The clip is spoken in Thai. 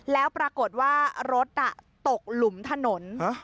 แล้วปรากฏว่ารถตกหลุมถนน